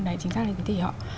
đấy chính xác thì họ